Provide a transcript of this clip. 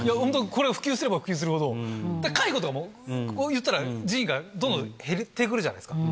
これ、普及すれば普及するほど、介護とかも、言ったら、人員がどんどん減ってくるじゃないですか。